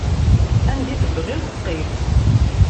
Anda i tebɣiḍ qqim.